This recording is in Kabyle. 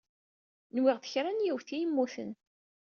Nwiɣ d kra n yiwet i yemmuten.